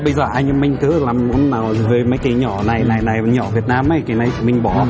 bây giờ anh em mình cứ làm món nào với mấy cái nhỏ này này này nhỏ việt nam này cái này thì mình bỏ